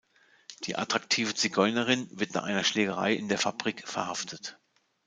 Die attraktive Zigeunerin wird nach einer Schlägerei in der Fabrik verhaftet.